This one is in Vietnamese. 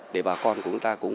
để bà con của người ta cũng